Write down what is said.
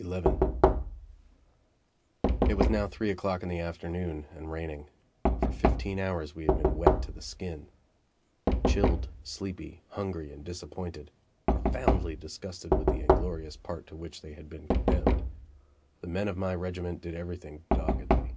XI It was now three o'clock in the afternoon, and raining. For fifteen hours we had been wet to the skin. Chilled, sleepy, hungry and disappointed profoundly disgusted with the inglorious part to which they had been condemned the men of my regiment did everything doggedly.